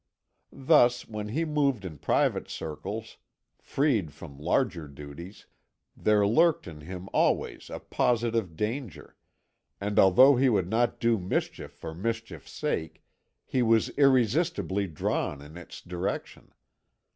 Thus, when he moved in private circles, freed from larger duties, there lurked in him always a possible danger, and although he would not do mischief for mischief's sake, he was irresistibly drawn in its direction.